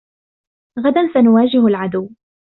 غداً سنواجه العدو.